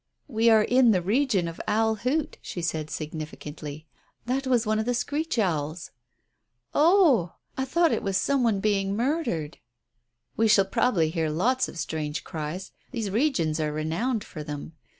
"We are in the region of Owl Hoot," she said significantly. "That was one of the screech owls." "O oh! I thought it was some one being murdered." "We shall probably hear lots of strange cries; these regions are renowned for them.